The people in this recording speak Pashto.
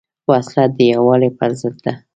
وسله د یووالي پر ضد ده